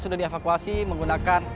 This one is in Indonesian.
sudah dievakuasi menggunakan